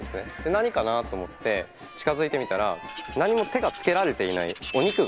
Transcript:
何かなと思って近づいてみたら何も手がつけられていないお肉があったんですよ。